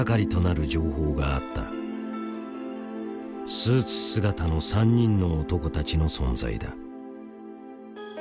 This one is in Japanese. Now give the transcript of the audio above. スーツ姿の３人の男たちの存在だ。